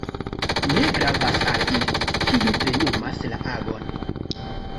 Ne gravas al ili, kiu plenumas la agon.